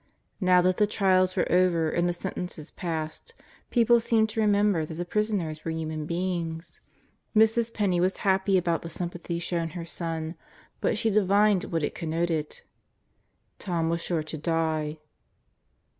Now that the trials were over and the sentences passed, people seemed to remember that the prisoners were human beings. Mrs. Penney was happy about the sympathy shown her son, but she divined what it connoted: Tom was sure to die.